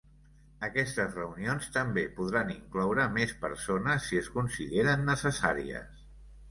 Aquestes reunions també podran incloure més persones si es consideren necessàries.